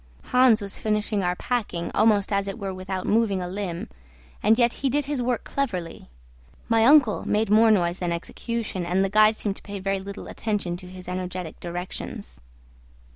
Hans was finishing our packing, almost as it were without moving a limb; and yet he did his work cleverly. My uncle made more noise than execution, and the guide seemed to pay very little attention to his energetic directions.